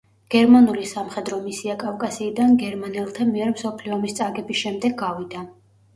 გერმანული სამხედრო მისია კავკასიიდან გერმანელთა მიერ მსოფლიო ომის წაგების შემდეგ გავიდა.